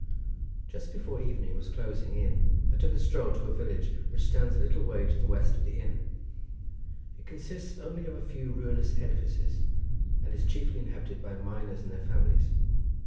Just before evening was closing in I took a stroll to a village which stands a little way to the west of the inn. It consists only of a few ruinous edifices, and is chiefly inhabited by miners and their families.